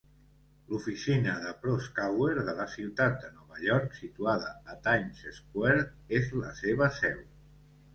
L'oficina de Proskauer de la ciutat de Nova York, situada a Times Square, és la seva seu.